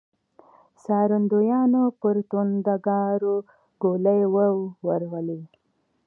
څارندويانو پر توندکارو ګولۍ وورولې.